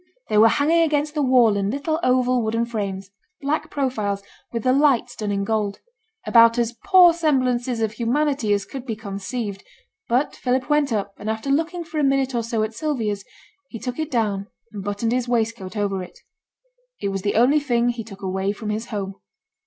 They were hanging against the wall in little oval wooden frames; black profiles, with the lights done in gold; about as poor semblances of humanity as could be conceived; but Philip went up, and after looking for a minute or so at Sylvia's, he took it down, and buttoned his waistcoat over it. It was the only thing he took away from his home.